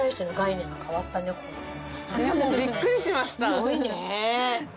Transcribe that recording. すごいね。